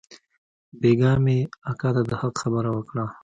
بيگاه مې اکا ته د حق خبره وکړه.